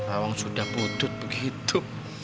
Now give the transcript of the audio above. awang sudah bodut begitu